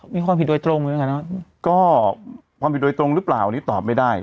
มีความผิดโดยตรงเลยค่ะเนอะก็ความผิดโดยตรงหรือเปล่าอันนี้ตอบไม่ได้